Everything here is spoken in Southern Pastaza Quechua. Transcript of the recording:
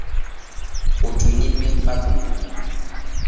Kuchuynipi kahun.